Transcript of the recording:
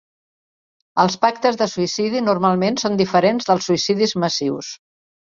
Els pactes de suïcidi normalment són diferents dels suïcidis massius.